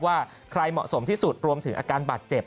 ว่าใครเหมาะสมที่สุดรวมถึงอาการบาดเจ็บ